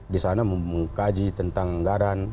di sana mengkaji tentang anggaran